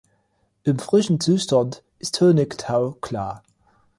Im frischen Zustand ist Honigtau klar.